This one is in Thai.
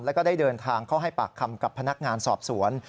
แล้วก็ได้เดินทางเข้าให้ปากคำกับพนักงานสอบสวน